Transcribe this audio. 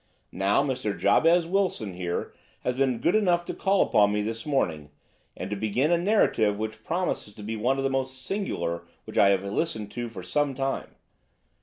Now, Mr. Jabez Wilson here has been good enough to call upon me this morning, and to begin a narrative which promises to be one of the most singular which I have listened to for some time.